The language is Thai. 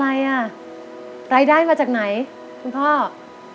รายได้น้ำมาจากไหนทุ่นพ่อ